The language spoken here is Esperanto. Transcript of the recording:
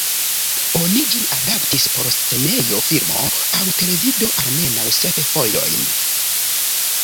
Oni ĝin adaptis por scenejo, filmo, aŭ televido almenaŭ sep fojojn.